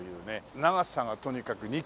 長さがとにかく２キロ。